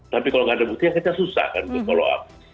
tapi kalau nggak ada bukti yang kita susah kan untuk follow up